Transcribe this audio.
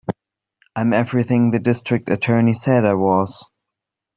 I'm everything the District Attorney said I was.